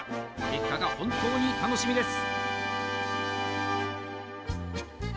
結果が本当に楽しみです